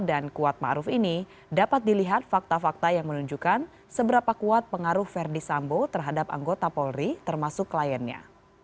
dan kuat maruf ini dapat dilihat fakta fakta yang menunjukkan seberapa kuat pengaruh verdi sambo terhadap anggota polri termasuk kliennya